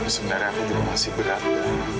tapi sebenarnya aku dulu masih berantem